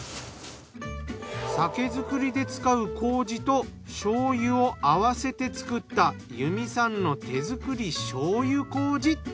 酒造りで使う麹と醤油を合わせて作った由美さんの手作り醤油麹。